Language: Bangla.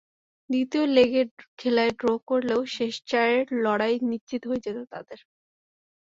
দ্বিতীয় লেগের খেলায় ড্র করলেও শেষ চারের লড়াই নিশ্চিত হয়ে যেত তাদের।